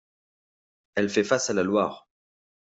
Elle fait face à la Loire.